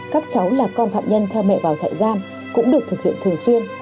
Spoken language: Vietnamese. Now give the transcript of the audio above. các cháu là con phạm nhân theo mẹ vào trại giam cũng được thực hiện thường xuyên